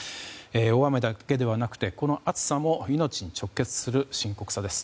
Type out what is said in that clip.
大雨だけではなくてこの暑さも命に直結する深刻さです。